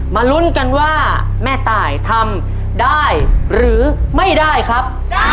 ลุ้นกันว่าแม่ตายทำได้หรือไม่ได้ครับ